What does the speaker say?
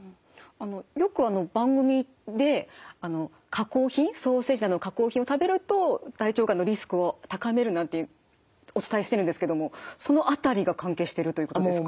あのよく番組で加工品ソーセージなどの加工品を食べると大腸がんのリスクを高めるなんてお伝えしてるんですけどもその辺りが関係してるということですか？